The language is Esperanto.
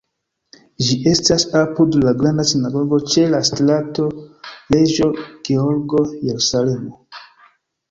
Ĝi estas apud la Granda Sinagogo ĉe la Strato Reĝo Georgo, Jerusalemo.